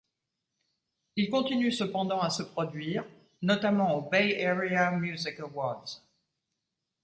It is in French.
Il continue cependant à se produire, notamment aux Bay area Music Awards.